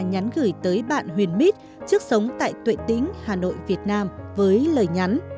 đã gửi tới bạn huyền mít trước sống tại tuệ tĩnh hà nội việt nam với lời nhắn